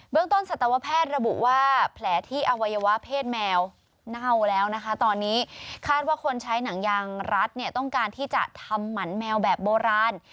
เรื่องต้นสัตวแพทย์ระบุว่าแผลที่อวัยวะเพศแมวเน่าแล้วนะคะตอนนี้คาดว่าคนใช้หนังยางรัดเนี่ยต้องการที่จะทำหมันแมวแบบโบราณ